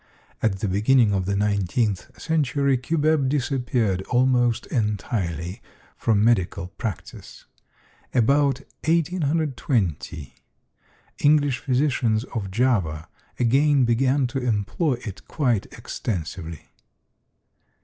At the beginning of the nineteenth century cubeb disappeared almost entirely from medical practice. About 1820 English physicians of Java again began to employ it quite extensively.